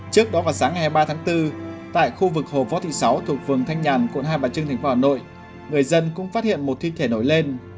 trước đó vào sáng ngày hai mươi ba tháng bốn tại khu vực hồ phó thị sáu thuộc phường thanh nhàn quận hai bà trưng thành phố hà nội người dân cũng phát hiện một thi thể nổi lên